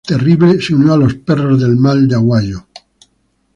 Terrible se unió a Los Perros del Mal de Aguayo.